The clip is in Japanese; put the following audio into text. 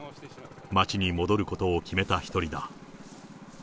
町に戻ることを決めた一人だ。